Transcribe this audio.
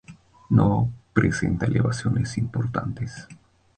No presenta elevaciones importantes.